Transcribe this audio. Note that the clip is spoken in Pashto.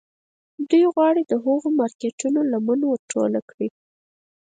دوی غواړي د هغو مارکیټونو لمن ور ټوله کړي